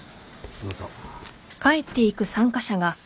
どうぞ。